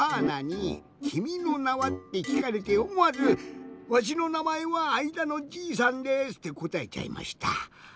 なに「君の名は。」ってきかれておもわず「わしのなまえはあいだのじいさんです」ってこたえちゃいました。